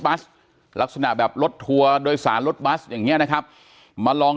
ลักษณะแบบรถทัวร์โดยสารรถบัสอย่างนี้นะครับมาลอง